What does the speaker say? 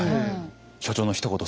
所長のひと言